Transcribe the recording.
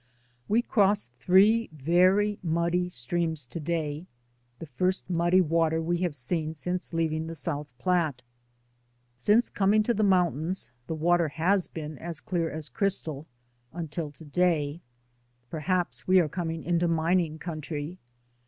We crossed three very muddy streams to day, the first muddy water we have seen since leaving the South Platte. Since com ing to the mountains, the water has been as clear as crystal until to day; perhaps we are coming into mining country.